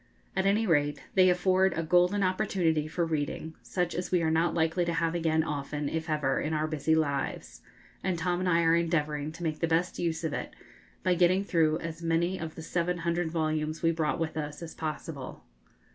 At any rate, they afford a golden opportunity for reading, such as we are not likely to have again often, if ever, in our busy lives; and Tom and I are endeavouring to make the best use of it by getting through as many of the seven hundred volumes we brought with us as possible.